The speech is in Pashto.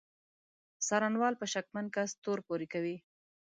څارنوالان په شکمن کس تور پورې کوي.